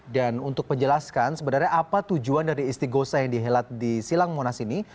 dan untuk penjelaskan sebenarnya apa tujuan dari isti gosah yang dihelat di silang monas ini